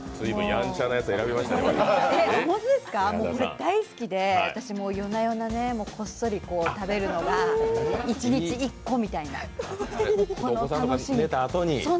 大好きで、夜な夜なこっそり食べるのが一日１個みたいな。